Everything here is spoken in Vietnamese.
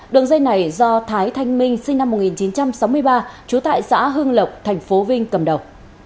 đường dây này do thái thanh minh sinh năm một nghìn chín trăm sáu mươi ba chú tại xã hương lộc thành phố vinh cầm đầu